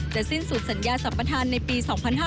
สิ้นสุดสัญญาสัมปทานในปี๒๕๕๙